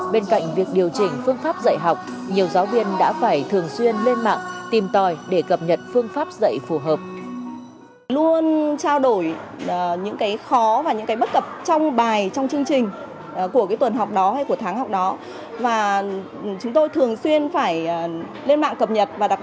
bên cạnh việc điều chỉnh phương pháp dạy học nhiều giáo viên đã phải thường xuyên lên mạng tìm tòi để cập nhật phương pháp dạy phương pháp dạy phương pháp